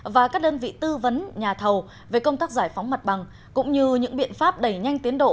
và các đơn vị tư vấn nhà thầu về công tác giải phóng mặt bằng cũng như những biện pháp đẩy nhanh tiến độ